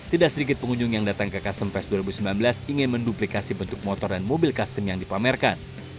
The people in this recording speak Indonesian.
tidak sedikit pengunjung yang datang ke custom fest dua ribu sembilan belas ingin menduplikasi bentuk motor dan mobil custom yang dipamerkan